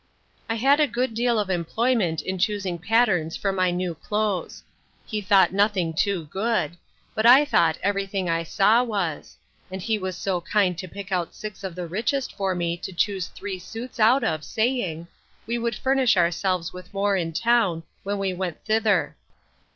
I had a good deal of employment in choosing patterns for my new clothes. He thought nothing too good; but I thought every thing I saw was; and he was so kind to pick out six of the richest for me to choose three suits out of, saying, We would furnish ourselves with more in town, when we went thither.